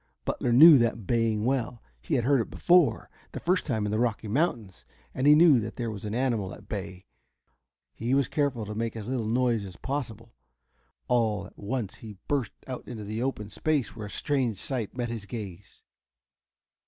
Butler knew that baying well. He had heard it before, the first time in the Rocky Mountains, and he knew that there was an animal at bay. He was careful to make as little noise as possible. All at once he burst out into an open space where a strange sight met his gaze.